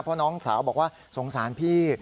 เพราะน้องสาวบอกว่าสงสารพี่